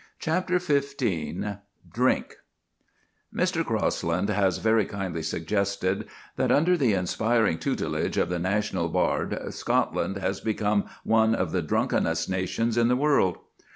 CHAPTER XV DRINK Mr. Crosland has very kindly suggested that "under the inspiring tutelage of the national bard Scotland has become one of the drunkenest nations in the world."